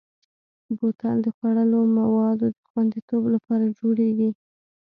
بوتل د خوړلو موادو د خوندیتوب لپاره جوړېږي.